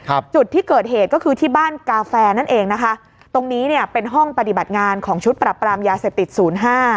จุดที่เกิดเหตุก็คือที่บ้านกาแฟนั่นเองนะคะตรงนี้เนี่ยเป็นห้องปฏิบัติงานของชุดปรับปรามยาเสพติดศูนย์ห้า